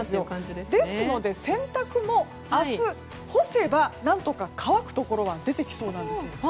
ですので洗濯も明日、干せば何とか乾くところは出てきそうなんですよ。